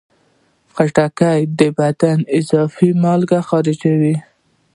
خټکی د بدن اضافي مالګې خارجوي.